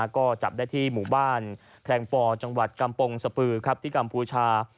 ก็จับได้ที่หมู่บ้านแคลงปอจังหวัดกำปงสปือที่กัมพูชา